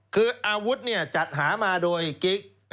คืออาวุธจัดหามาโดยกิ๊ก